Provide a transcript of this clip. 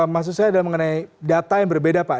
maksud saya adalah mengenai data yang berbeda pak